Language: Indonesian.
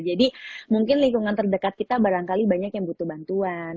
jadi mungkin lingkungan terdekat kita barangkali banyak yang butuh bantuan